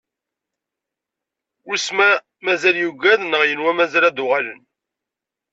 Wisen ma mazal yugad neɣ yenwa mazal ad d-uɣalen.